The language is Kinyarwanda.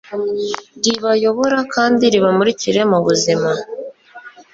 ribayobora kandi ribamurikire mu buzima